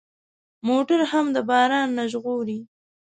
موټر مو د باران نه ژغوري.